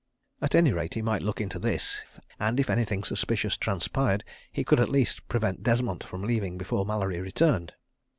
..." At any rate, he might look into this, and if anything suspicious transpired, he could at least prevent Desmont from leaving before Mallery returned.